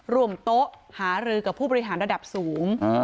ร่วมโต๊ะหารือกับผู้บริหารระดับสูง